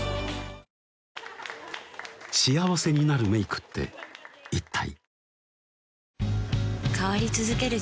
幸せになるメイクって一体？